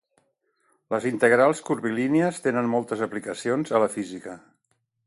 Les integrals curvilínies tenen moltes aplicacions a la física.